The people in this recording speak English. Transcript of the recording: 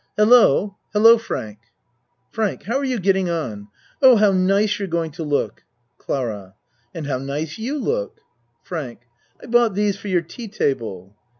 Hello! Hello, Frank! FRANK How're you getting on? Oh, how nice you're going to look. CLARA And how nice you look. FRANK I bought these for your tea table.